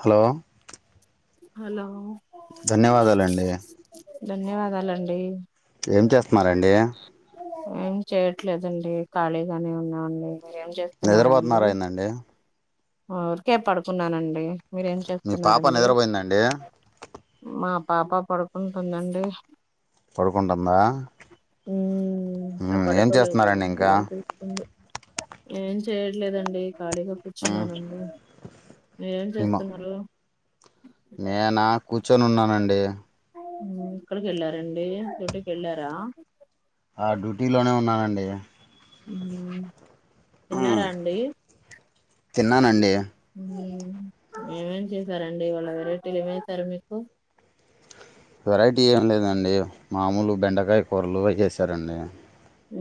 హలోమ్ hello ధన్యవాదాలండి. ధన్యవాదాలండి. ఏం చేస్తున్నారండీ. ఏం చేయట్లేదండి ఖాళీగానే ఉన్నా అండి నిదురపోతున్నారా ఏందండి ఆ ఊరికే పడుకున్నానండి మీరేం మీ పాప చేస్తున్నారండి నిద్రపోయిందండి మా పాప పడుకుంటుందండి పడుకుంటుందా ఉమ్, ఇంకా ఉ ఏం పడుకోలేదు చేస్తున్నారండి ఇంకా అల్లరి చేస్తుంది ఏం చేయట్లేదండి ఖాళీగా మ్మ్ కుచ్చున్నానండి ఏం ఏమో చేస్తున్నారు నేనా కూర్చొని ఉన్నానండి ఉ ఎక్కడికి వెళ్ళారండి ఇంటికి ఎళ్ళారా ఆ డ్యూటీలోనే ఉన్నానండి ఉ మ్మ్ తిన్నారా అండి [inaudible] తిన్నానండి ఏమేమి చేసారండి వాళ్ళ వెరైటీలు ఏమవుస్తారు మీకు వెరైటీ ఏం లేదండి మామూలు బెండకాయ కూర్రలు ఇ చేసరండి హ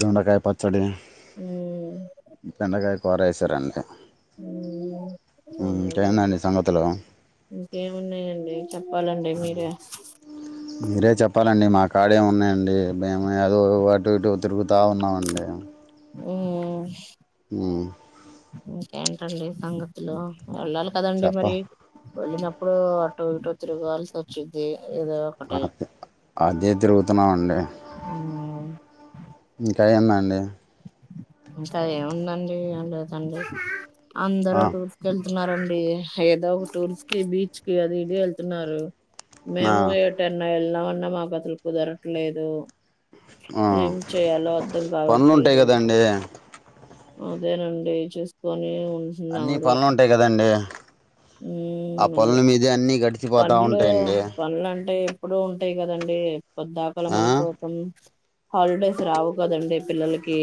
దోండాకాయ పచ్చడి ఉమ్ బెండకాయ పోరైస్వరండి ఉమ్ అవునండి ఇంకానా అండి సంగతులు ఇంకేమున్నాయండి చెప్పాలండి మీరే మీరే చెప్పాలండి మా కాడేమి ఉన్నాయండి మేము ఏదో అటు ఇటు తిరుగుతా ఉన్నామండి [inaudible] అ ఇంకేంటండి సంగతులు వెళ్ళాలి కదండి చెప్ప మరి వెళ్ళినప్పుడు ఇటో తిరుగు అల్స్ వచ్చది [inaudible] అ అదే తిరుగుతున్నామ అండి ఉమ్ కాయంద అండి ఇంకా ఏముందండి ఏం లేదండి ఆ, అందరు న్నారండి ఏదో ఒక టూర్స్ కి బీచ్ కి అది ఇడ వెళ్తున్నారు ఆ, మేము ఏ టైన్నా వెళ్నా అండమా బతులు కుదరట్లేదు ఆ, ఏం చేయాలో అర్థం పనులు కాబట్ద ఉంటాయి కదండి అదేనండి చూస్కొని అన్నీ పనులు ఉంటాయి కదండి హ ఆ అద పనుల మీదే అన్నీ గడిచిపోతూ పండ్లు ఉంటాయండి పండ్ల అంటే ఎప్పుడు ఉంటయి కదండి కొద్దాకలం ఆ? అనుకోతం హాలిడేస్ రావు కదండి పిల్లలకి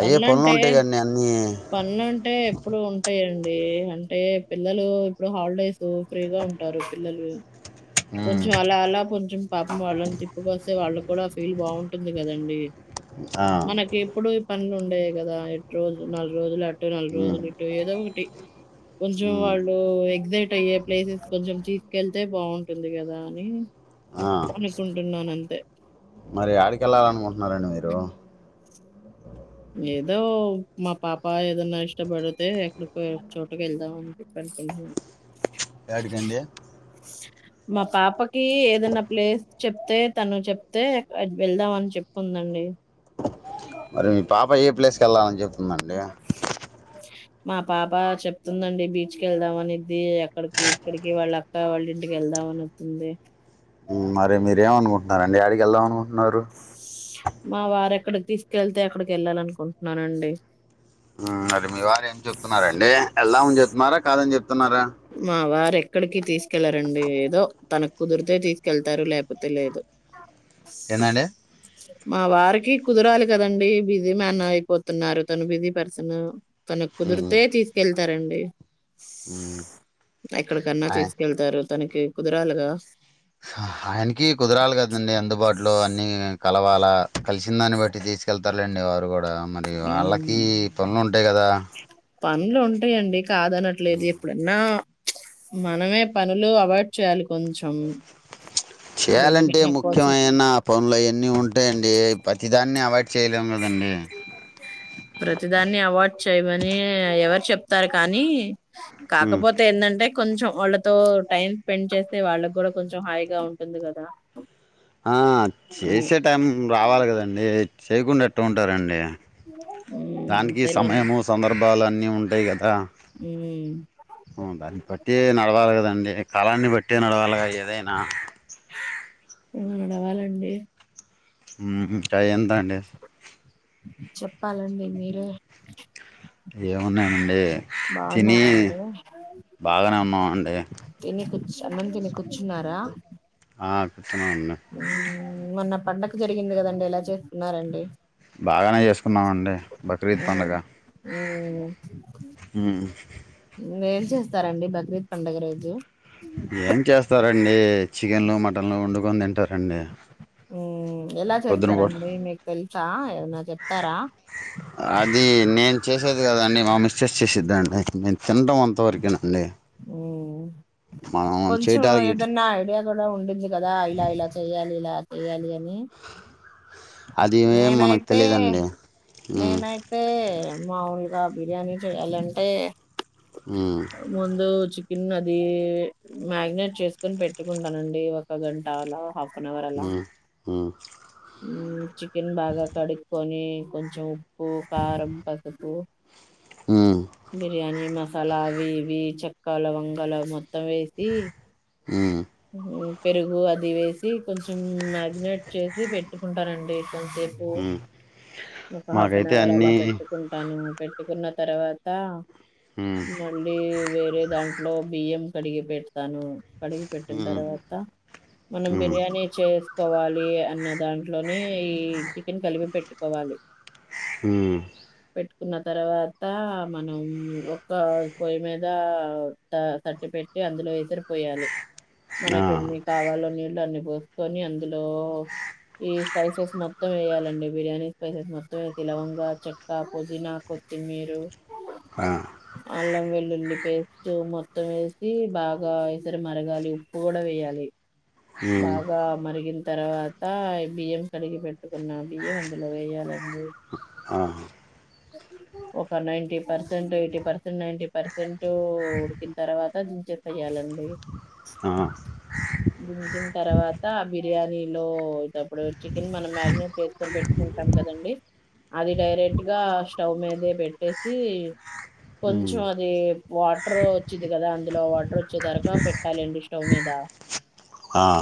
అయ్యే పనులు పనులుంటే ఉంటాయి కదండి అన్నీ పనులు అంటే ఎప్పుడు ఉంటాయండి ఏ అంటే పిల్లలు ఇప్పుడు హాలిడేస్ ఫ్రీగా ఉంటారు పిల్లలు ఉమ్, కొంచెం అలా అలా కొంచం పాపం వాళ్ళని తిప్పుకొస్తే వాళ్ళ కూడా ఫీల్ బాగుంటుంది కదండి. ఆ, మనకి ఎప్పుడు పనులుండేయి కదా ఎ రోజులు నాలుగు రోజులు అ నాలు ఉమ్, రోజలిట్టు ఏదో ఒకటి ంచెం ఉమ్, వాళ్ళు ఎక్సైట్ య్యే ప్లేసెస్ కొంచెం తీసుకెళ్తే బాగుంటుంది కదా అని ఆ. అనుకుంటున్నానుంత్ తే మరి ఏడికి వెళ్ళాలినుకుంటున్నారండి మీరు ఏదో మా పాప ఏదన్నా ఇష్టపడితే ఎక్కడి చోటకు వెళ్దామ అని చెప్పి అనుకుంటు ఏడికండి మా పాపకి ఏదన్నా ప్లేస్ చెప్తే తను చెప్తే వెళ్దాం అని చెప్పుకుందండి మరి మీ పాప ఏ ప్లేస్కి వెళ్ళాలని చెప్ మండి మా పాప చెప్తుందండి బీచ్ కి వెళ్దాం అనిద్ది అక్కడికి ఇక్కడికి వాళ్ళ క్కయ్య వాళ్ళ ఇంటికి వెళ్దామనతుంది హ్మ్ మరి మీరేమ అనుకుంటున్నారండి ఏడికి వెళ్దాం అనుకుంటున్నారు మా వారు ఎక్కడికి తీసుకెళ్తే అక్కడికి వెళ్ళాల అనుకుంటున్నానండి. మరి మీ వారు ఏం చెప్తున్నారండి వెళ్దామని చెప్తున్నారా కాదని చెప్తు మా వారే ఎక్కడకి తీస్ కెళ్ళ రండి ఏదో తన కుదిరితే తీసుకెళ్తారు లేపోతే లేదు ఏందండి మా వారికి కుదరాలి కదండి బిజీ మ్యాన్ అయిపోతున్నారు. తను బిజీ పర్సన్ తనకి ఉమ్, కుదురుతే తీసుకెళ్తారు తరండి ఉమ్ ఎక్కడకన్నా ఆయ- తీసుకెళ్తారు తనకి కుదరాలిగా ఆయనకి కుదరాలి కదండి అందుబాటులో అన్నీ కలవాలా కలిసిన దాన్ని బట్టి తీసుకెళ్తారులేండి వారు కూడా మరి వాళ్ళకి హ్మ్. పనులు ఉంటాయి కదా పనులు ఉంటాయండి కాదనట్లేదు ఎప్పుడన్నా మనమే పనులు అవాయిడ్ చేయాలి కొంచెం చేయాలంటే దేనికన్నా కోసం. ముఖ్యమైన పనులయి అన్ని ఉంట అండి ప్రతిదాన్ని అవాయిడ్ చేయలేము కదండి ప్రతిదాన్ని అవాయిడ్ చేయమని ఎవరు చెప్ తారు కానీ కాకపోతే ఎందంటే కొంచం వాళ్ళతో టైం స్పెండ్ చేస్తే వాళ్ళకి కూడా కొంచెం హాయిగా ఉంటుంది కదా ఆ అని చేసే టైం రావాలి కదండి చేయకుండా ఎట్ట ఉంటారండి మ్మ్ దానికి అంతేలేండి సమయము సందర్భాలు అన్నీ అన్ని ఉంటాయి కదా మ్మ్ ఉ దాన్ని బట్టి నడవాలి కదండి కాలాన్ని బట్టి నడవాలగా ఏదైనా రావాలండి ఉమ్ ఇంకా ఎంతండి చెప్పాలండి మీరే ఏమున్నాయండి బాగున్నారా అండి బాగానే ఉన్నామండి ఎన్ని కూర్చ అన్నం తిని కూర్చున్నారా ఆ కూ అవునండి పండక్కు జరిగింది కదండి ఎలా జరుపుకున్నారండి బాగానే చేసుకున్నామండి బక్రీద్ పండుగ మ్మ్ మ్మ్ చేస్తారంండి భగవీత్ పండుగ రోజు ఏం చేస్తారండి చికెన్లు మటన్లు వండు కొ తింటారండి ఓ ఎలా పొద్దున పూట చేస్తారండి మీకు తెలుసా ఏదనా చెప్తారా అది నేను చేసేది కదాండి మా మిస్టేస్ చేసిద్దాండి మేము తినడం అంతవరకేనండి ఓ మనం చే టార్గెట్ కూడా ఉండ కదా ఇలా ఇలా చెయాల ఏయయాలి అని అది ఏం మనకు నేనైతే తెలియదండి ఉమ్, నేనైతే మాములుగా బిర్యానీ చేయాలంటే ఉమ్, ముందు చికెన్ అది మారినేట్ చేసుకుని పెట్టుకుంటానండి ఒక గంట హఫ్ ఆ చికెన్ బాగా కడపో కొని కొంచెం పో కారం పసుకు ఉమ్, బిర్యానీ మ కలావివి చెక్కలు వంగలు మొత్తం వేసి ఉమ్, హ పెరుగు అది వేసి కొంచెం మ్యారినేట్ చేసి పెట్టుకుంటారంండి కపు ఉమ్. హాఫ్ అన్ మాకైతే అవర్ అలా అన్నీ పెట్టుకుంటాను ను పెట్టుకున్న తర్వాత మళ్ళీ వే అ దాంట్లో బియ్యం కడిగి పెడతాను కడిగి పెట్టిన తర్వాత మనం బిర్యానీ చే కోవాలి అన్నదాన్ని ఈ చికెన్ క పెట్ట ట్కోవాలి హ పెట్టుకున్న తర్వాత మనం ఒ పయ్యి మీద తట్టి పెట్టి అందులో వేసరి పోయాలి మనక ఎన్ని కావాలో నీళ్ళు అన్ని పోసుకొని అందులో ఈ స్పైసెస్ మొత్తం వేయాలండి బిర్యానీ మొత్తంతేలవంగా చెక్క పుదీనా కొత్తిమీరు అలా వెలి లుల్లి పేస్ట్ మొత్తం వేసి బాగా ఈసరి మరగాలి ఉప్పు కూడా వేయాలి బాగా మరిగి తర్వాత బియ్యం కడిగి పె కున్నా బియే వండలోల ఆ ఒక ninety percent eighty percent ninety percent to ఉడికిన తర్వాత చెతయాలని దించిన తర్వాత బిర్యానీ హలో ప్పుడు చికెన్ మనం మ్యాగినేట్ వేసుకొని పెట్టుకుంటాం కదండి అది డైరెక్ట్ స్టవ్ మీదే పెట్టేసి కొంచెం అది వాటర్ వచ్చిది కదా అందులో వాటర్ వచ్చేదరక పెట్టాలండి స్టవ్ మీద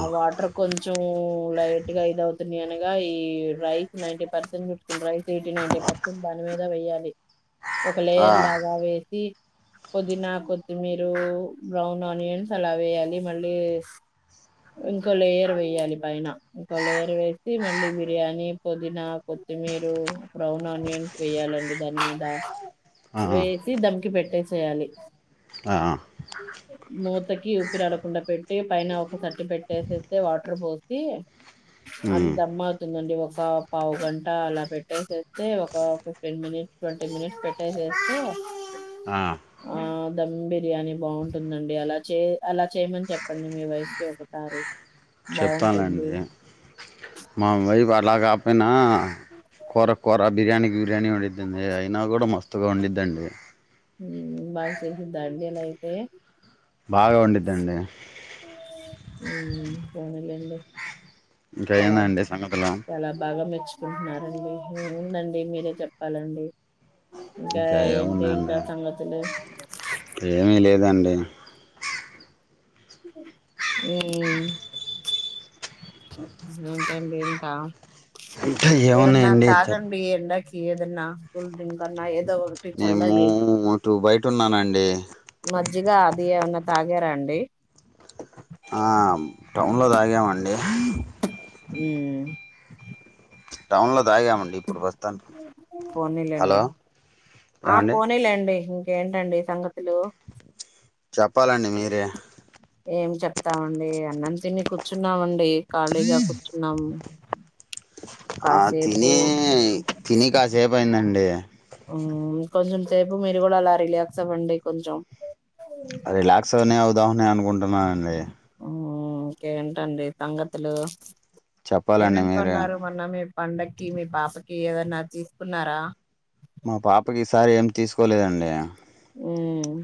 ఆ వాటర్ కొంచం కొంచెం లైట్ గా ఇది అవుతుంది అనగా ఈ రైస్ నైన్ పర్సెంట్ కుుడుతుంది రైస్ వటి న తని మీద వెయ్యాలి ఒకఖలేర్లాగా వేసి పుదీనా కొత్తిమీర బ్రౌన్ ఆనియన్స్ అలా వేయాలి మళ్ళీ ఇంకో లేయర్ వేయాలి పైన ఇంకో లేయర్ వేసి మళ్ళీ బిర్యానీ పుదీనా కొత్తిమీర బ్రౌన్ ఆనియన్ వేయాలండి దాని మీద వేసి ధమకి పెట్టేసి చేయాలి ఆ మూతకి ఉఊపిరాడకుండా పెట్టి పైన ఒక సట్ పెట్టేసితే వాటర్ పోసి అది దమ్మ అవుతుందండి ఒక ఒక పావు గంట అలా పెట్టేసేస్తే ఒక ఫిఫ్టీన్ మినిట్స్ ట్వంటీ మినిట్స్ పెట్టేసేస్తే ఆ ఆ దమ్ బిర్యానీ బాగుంటుందండి అలా చే అలా చేయమని చెప్పండి మీ వైఫ్ క ఒక సర చెప్పానుండి మామై ఇలాగాపోయినా కూర కొర బిర్యానీ బ్యర్యానీ వండితుంంది అయినా కూడా మస్తుగా వండిద్దండి హ బాగా చేస్తుందా అండి ఇలా అయితే బాగా వండుడిద్దండి ఉమ్ పోనీలేండి. ఇంకా ఏందండి సంగతిలు. నడుచుకుంటున్నారండి ఏముందండి మీరే చెప్పాలండి. ఇంకా ఏంటి ఇంకా ఏమున్నాయండి సంగతులు ఏమి లేదు. ఇదండి. ఉమ్ ఏంటండి ఇంకా. ఇంకా ఏమున్నాయండి చెప్పు యదన్నా కూల్ డ్రింక్ అన్న ఏద్ నేమో ఓటు బయట్. అంటున్నానండి. మజ్జిగా అది ఏమన్నా తాగారా అండి. ఆహ్ టౌన్లో తాగామండి. ఉమ్ టౌన్లో తాగామండి. ఇప్పుడు ప్రస్తుతానికి హలో ఆహ్ ఏమండి పోనీలేండి. ఇంకెంటాండి సంగతులు. చెప్పాలండి మీరే. ఏం చెప్తామండి అన్నం తిని కూర్చున్నామండి. ఖాళీగా కూర్చున్నాము. ఆహ్ కాసేపు తిని తిని కాసేపయిందండి. మ్మ్ కొంచెం సేపు మీరు కూడా అలా రిలాక్స్ అవ్వండి. కొంచెం రిలాక్స్ అవనే అవుదామనే అనుకుంటు మా అవునండి. ఉమ్ ఇంకేంటండి సంగతులు. చెప్పాలండి ఏమేం మీరే కొన్నారు మొన్న మీరు. పండకి మీ పాపకి ఏదన్నా తీసుకున్నారా. మా పాపకి ఈ సారి ఎం తీసుకోలేదండి. ఉమ్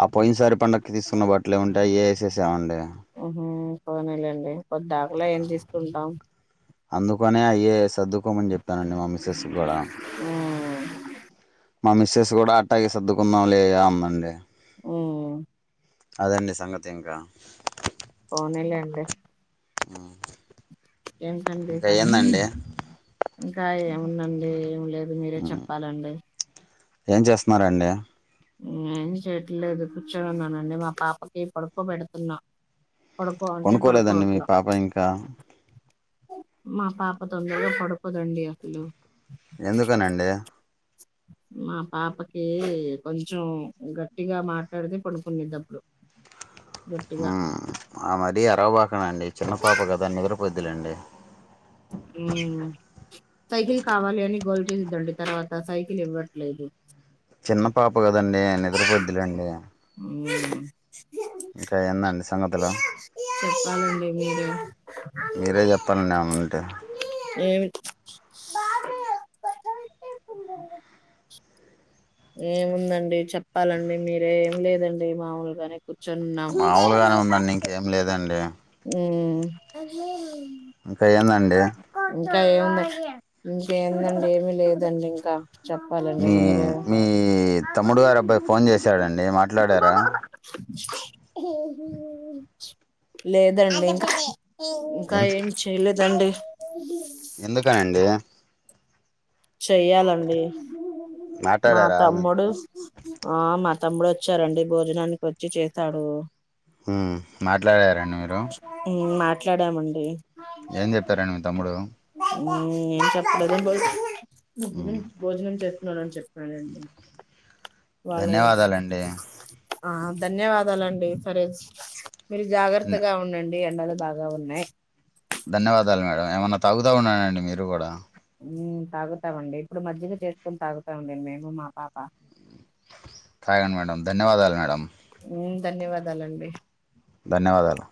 ఆ పోయినసారి పండగకి తీసుకున్న బట్టలే ఉంటాయి యేసేసామండి. పోనీలే అండి. పొద్దాకుల ఏం తీసుకుంటాం. అందు కొన్ని అయ్యే సర్దుకోమని చెప్పానండి. మా మిసెస్ కి కూడా మ్మ్ మా మిస్సెస్ కూడా అట్టాగే సర్దుకుందాంలే అందండి. ఓ అదండి సంగతి ఇంకా పోనీలే అండి. ఊ ఏంటండీ సంగతులు ఇంకా ఏముందండి ఏం లేదు మీరే చెప్పాలండి. ఏం చేస్తున్నారండి. ఏం చేయట్లేదు కూర్చొని ఉన్నానండి. మా పాపకి పడుకో పెడుతున్నా పనుకోలేదండి మీ పాప ఇంకా మా పాప తొందరగా పడుకోదండి అసలు ఎందుకని అండి. మా పాపకి కొంచెం గట్టిగా మాట్లాడితే పడుకోనేదప్పుడు హు ఆ మరి మీరు అరవబాకండి చిన్నపాప కదా నిద్రపోద్దులేండి. ఊ సైకిల్ కావాలి అని గోల చేసిద్దండి. తర్వాత సైకిల్ ఇవ్వట్లేదు. చిన్న పాప కదండి నిద్రపోద్దులేండి. ఊ ఇంకా ఏందండి సంగతులు చెప్పాలండి మీరే మీరే చెప్పాలండి ఏమైనవుంటే ఏమిటి ఏముందండి చెప్పాలండి మీరే ఏం లేదండి మాముూలుగానే కుచ్ మాముూలుగానే ఉందండి ఇంకేం లేదండి. హూ ఇంకా ఏందండి. ఇంకా ఏముంద ఇంకేందండి ఏమి లేదండి ఇంకా చెప్పాలండి మీ మీరే మీ తమ్ముడు గారి అబ్బాయి ఫోన్ చేసాడండి మాట్లాడారా [unintelligible] లేదండి ఇంకా ఇంకా ఎందు ఏమి చేయలేదండి. ఎందుకనండి. చెయ్యాలండి, మా మాట్లాడారా తమ్ముడు మా మరద తమ్ముడు వచ్చారండి. భోజనానికి వచ్చి చేశాడు. హు మాట్లాడారండి మీరు మాట్లాడామండి. ఏం చెప్పారండి మీ తమ్ముడు ఊ ఏం చెప్పడం పో వద్దులే ఉమ్ భోజనం చె నని చెప్తానండి ధన్యవాదాలండి ఆ ధన్యవాదాలండి సరే మీరు ధన్య జాగ్రత్తగా ఉండండి ఎండలు బాగా ఉన్నాయి ధన్యవాదాలు మేడం ఏమన్నా తాగుతా ఉన్నానండి మీరు కూడా తాగుతామండి ఇప్పుడు మజ్జిగ చేసుకుని తాగుతాండడి మేము మా పాప గండి మేడం ధన్యవాదాలు మేడం ధన్యవాదాలండి ధన్యవాదాలు